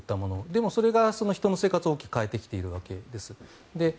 でも、それが人の生活を大きく変えてきているわけです。